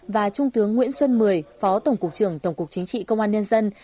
và trung tướng nguyễn xuân mười phó tổng cục trưởng tổng cục chính trị công an nhân dân